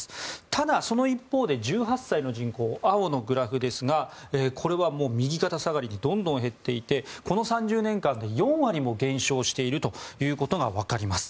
ただ、その一方で１８歳の人口青のグラフですがこれは右肩下がりでどんどん減っていてこの３０年間で４割も減少しているということが分かります。